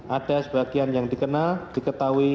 ada sebagian yang dikenal diketahui